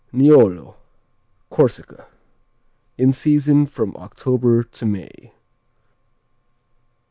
Niolo Corsica In season from October to May.